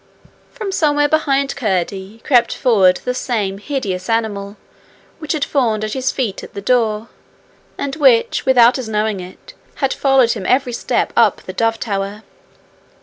From somewhere behind Curdie, crept forward the same hideous animal which had fawned at his feet at the door, and which, without his knowing it, had followed him every step up the dove tower.